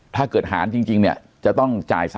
ถ้าเกิดหารจริงเนี่ยจะต้องจ่าย๓๐๐๐๐๐